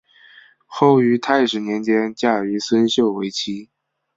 后于泰始年间嫁于孙秀为妻。